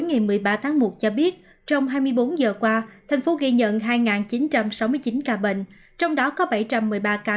ngày một mươi ba tháng một cho biết trong hai mươi bốn giờ qua thành phố ghi nhận hai chín trăm sáu mươi chín ca bệnh trong đó có bảy trăm một mươi ba ca